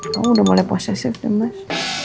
kamu udah mulai posesif deh mas